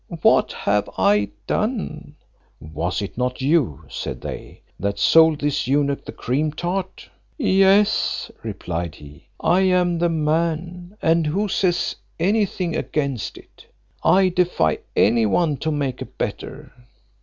What have I done?" "Was it not you," said they, "that sold this eunuch the cream tart?" "Yes," replied he, "I am the man; and who says any thing against it? I defy any one to make a better."